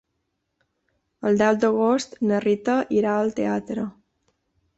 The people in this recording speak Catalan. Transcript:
El deu d'agost na Rita irà al teatre.